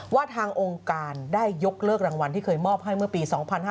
ว่าทางองค์การได้ยกเลิกรางวัลที่เคยมอบให้เมื่อปี๒๕๕๙